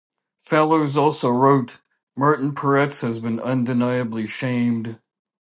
Fallows also wrote: Martin Peretz has been undeniably shamed.